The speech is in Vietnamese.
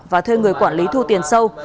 và thuê người quản lý thu tiền sâu